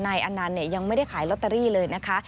อันนั้นยังไม่ได้ขายลอตเตอรี่เลยนะคะ